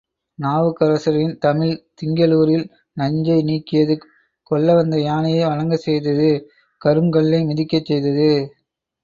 நாவுக்கரசரின் தமிழ் திங்களூரில் நஞ்சை நீக்கியது கொல்ல வந்த யானையை வணங்கச் செய்தது கருங் கல்லை மிதிக்கச் செய்தது.